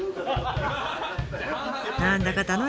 何だか楽しそう！